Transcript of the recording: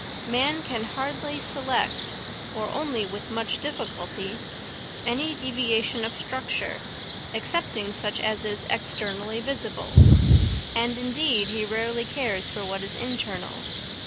Man can hardly select, or only with much difficulty, any deviation of structure excepting such as is externally visible; and indeed he rarely cares for what is internal.